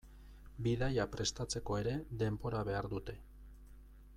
Bidaia prestatzeko ere denbora behar dute.